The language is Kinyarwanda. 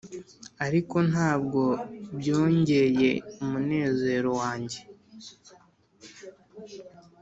ariko ntabwo byongeye umunezero wanjye.